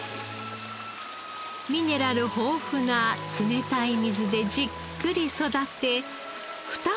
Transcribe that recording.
ミネラル豊富な冷たい水でじっくり育てふた